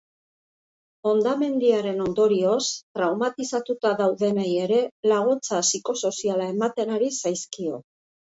Hondamendiaren ondorioz traumatizatuta daudenei ere laguntza psikosoziala ematen ari zaizkio.